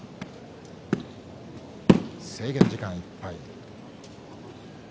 制限時間がいっぱい。